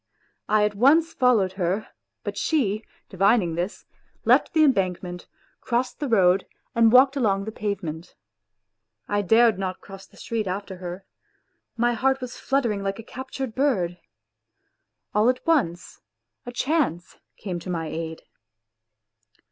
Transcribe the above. I at once followed her ; but she, divining this, left the embankment, crossed the road and walked along the pavement. I dared not cross the street after her. My heart was fluttering like a captured bird. All at once a chance came to my aid.